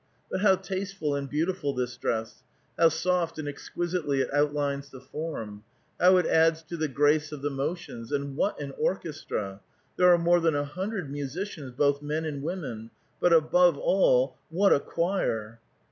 But how tasteful and beautiful this dress ! How soft and exquisitely it outlines the form ! how it adds to the grace of the motions ! And what an orchestra ! There are more than a hundred musicians, both men and women ; but above all what a choir